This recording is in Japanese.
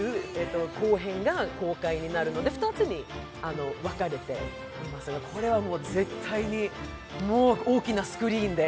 後編が公開になるので、２つに分かれていますが、これはもう絶対に、大きなスクリーンで。